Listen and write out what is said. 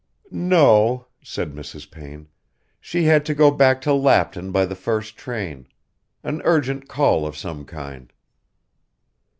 "No," said Mrs. Payne. "She had to go back to Lapton by the first train. An urgent call of some kind."